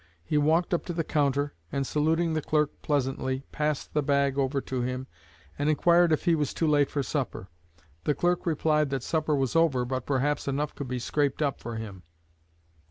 He walked up to the counter, and, saluting the clerk pleasantly, passed the bag over to him, and inquired if he was too late for supper. The clerk replied that supper was over, but perhaps enough could be 'scraped up' for him.